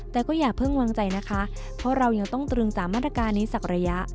แต่ก็อย่าเพิ่งวางใจนะคะเพราะเรายังต้องตรึงสามมาตรการนี้สักระยะ